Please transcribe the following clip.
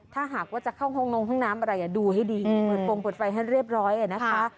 ถ้าหากว่าจะเข้าโรงพักน้ำอะไรดูให้ดีปรดปงปรดไฟให้เรียบร้อยนะค่ะ